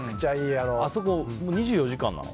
あそこ、２４時間なの？